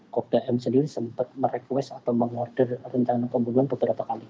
kopda m sendiri sempat merequest atau mengorder rencana pembunuhan beberapa kali